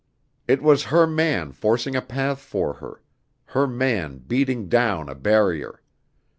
It was her man forcing a path for her, her man beating down a barrier.